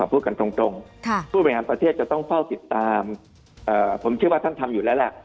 ผู้บริหารประเทศต้องเฝ้าติดตามผมคิดว่าท่านทำอยู่แล้วแหละ